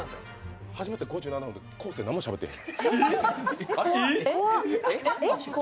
始まって５７分で昴生、何もしゃべってへん。